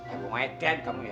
eh bongedian kamu ya